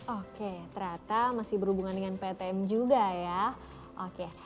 oke ternyata masih berhubungan dengan ptm juga ya oke